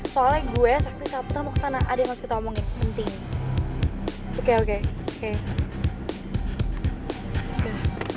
soalnya gue sakit satu tamu kesana ada yang harus kita omongin penting oke oke oke